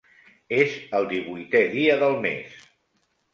És el divuitè dia del mes.